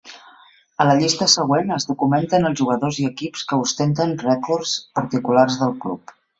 A la llista següent es documenten els jugadors i equips que ostenten rècords particulars del club.